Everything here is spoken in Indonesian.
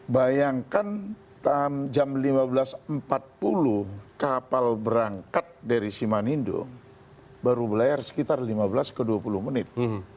bayangkan jam lima belas empat puluh kapal berangkat dari simanindo baru berlayar sekitar lima belas ke dua puluh menit